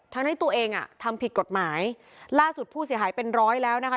ทั้งที่ตัวเองอ่ะทำผิดกฎหมายล่าสุดผู้เสียหายเป็นร้อยแล้วนะคะ